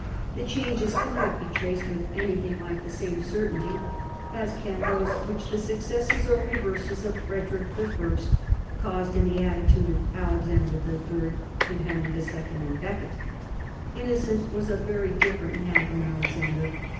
The changes cannot be traced with anything lite the same certainty as can those which the successes or reverses of Frederic I. caused in the atti tude of Alexander III. to Henry II. and Becket. Innocent was a very different man from Alexander.